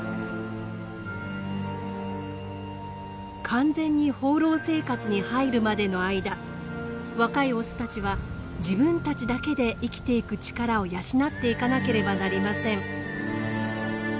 完全に放浪生活に入るまでの間若いオスたちは自分たちだけで生きていく力を養っていかなければなりません。